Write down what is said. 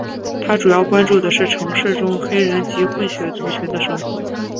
他主要关注的是城市中黑人及混血族群的生活。